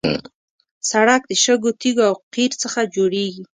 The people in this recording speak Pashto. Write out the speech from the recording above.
سړک د شګو، تیږو او قیر څخه جوړېږي.